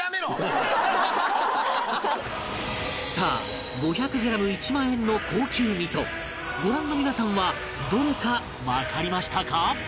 さあ５００グラム１万円の高級味噌ご覧の皆さんはどれかわかりましたか？